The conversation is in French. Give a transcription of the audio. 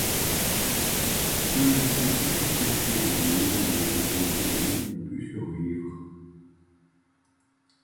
Seuls ceux qui furent cachés dans les maisons des paysans polonais ont pu survivre.